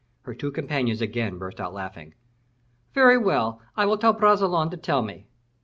Her two companions again burst out laughing. "Very well! I will ask Bragelonne to tell me."